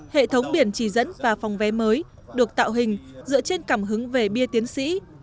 hệ thống biển chỉ dẫn và phòng vé mới được tạo hình dựa trên cảm hứng về bia tiến sĩ